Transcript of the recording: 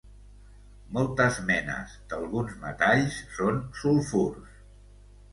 Moltes menes d'alguns metalls són sulfurs.